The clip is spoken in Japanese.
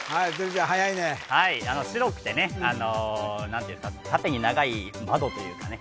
はやいね白くてね何ていうんですか縦に長い窓というかね